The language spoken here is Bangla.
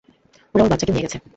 ওরা ওর বাচ্চাকেও নিয়ে গেছে।